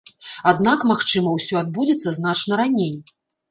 Аднак, магчыма, усё адбудзецца значна раней.